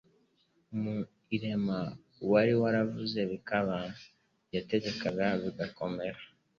Mu irema, uwari waravuze bikaba, yategeka bigakomera,